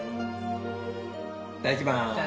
いただきます。